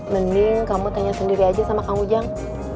mending kamu tanya sendiri aja sama kang ujang